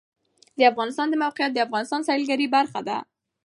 د افغانستان د موقعیت د افغانستان د سیلګرۍ برخه ده.